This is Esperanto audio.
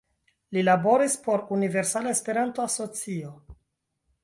Li laboris por Universala Esperanto Asocio.